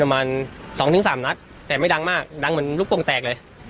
ประมาณสองหนึ่งสามนัทแต่ไม่ดังมากดังเหมือนลูกคงแตกเลย